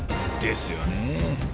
ですよね。